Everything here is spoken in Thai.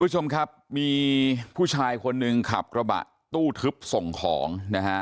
คุณผู้ชมครับมีผู้ชายคนหนึ่งขับกระบะตู้ทึบส่งของนะฮะ